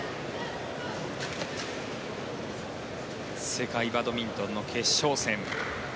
世界バドミントンの決勝戦。